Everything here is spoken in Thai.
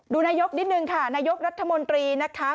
นายกนิดนึงค่ะนายกรัฐมนตรีนะคะ